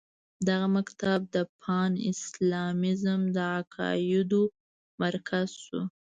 دغه مکتب د پان اسلامیزم د عقایدو مرکز شو.